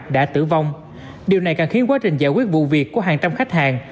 đã tử vong điều này càng khiến quá trình giải quyết vụ việc của hàng trăm khách hàng